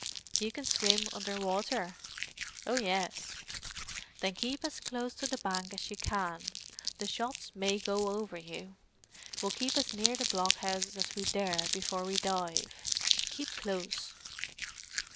You can swim under water?" "Oh yes." "Then keep as close to the bank as you can—the shots may go over you. We'll get as near the blockhouses as we dare before we dive. Keep close."